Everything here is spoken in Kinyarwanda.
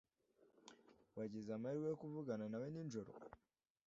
Wagize amahirwe yo kuvugana nawe nijoro?